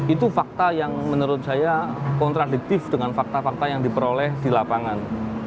itu fakta yang menurut saya kontradiktif dengan fakta fakta yang diperoleh di lapangan